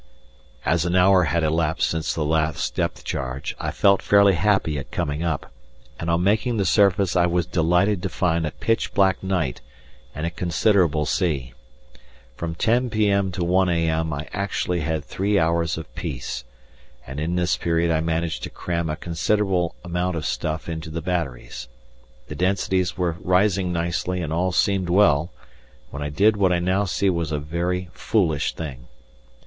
] As an hour had elapsed since the last depth charge, I felt fairly happy at coming up, and on making the surface I was delighted to find a pitch black night and a considerable sea. From 10 p.m. to 1 a.m. I actually had three hours of peace, and in this period I managed to cram a considerable amount of stuff into the batteries. The densities were rising nicely and all seemed well, when I did what I now see was a very foolish thing.